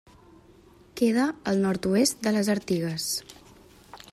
Queda al nord-oest de les Artigues.